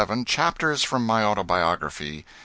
CHAPTERS FROM MY AUTOBIOGRAPHY.